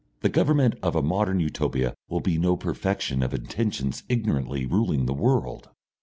The government of a modern Utopia will be no perfection of intentions ignorantly ruling the world....